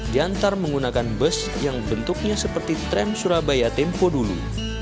diantar menggunakan bus yang bentuknya seperti tram surabaya tempo dulu